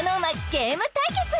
ゲーム対決